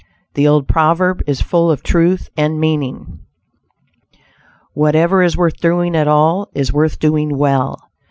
The old proverb is full of truth and meaning, "Whatever is worth doing at all, is worth doing well."